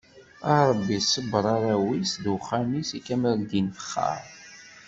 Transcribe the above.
A Rebbi sebber arraw-is d uxxam-is i kamel Ddin Fexxar.